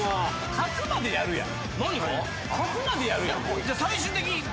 勝つまでやるやん。